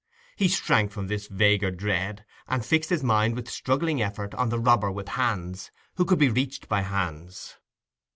He shrank from this vaguer dread, and fixed his mind with struggling effort on the robber with hands, who could be reached by hands.